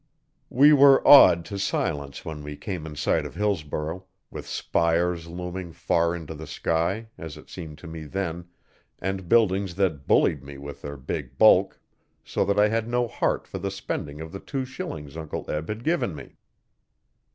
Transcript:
We were awed to silence when we came in sight of Hillsborough, with spires looming far into the sky, as it seemed to me then, and buildings that bullied me with their big bulk, so that I had no heart for the spending of the two shillings Uncle Eb had given me.